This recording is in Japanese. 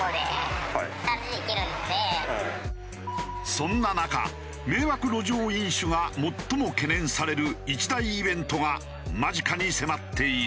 そんな中迷惑路上飲酒が最も懸念される一大イベントが間近に迫っている。